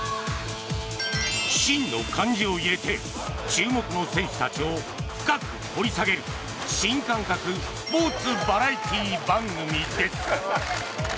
「シン」の漢字を入れて注目の選手たちを深く掘り下げる新感覚スポーツバラエティー番組です。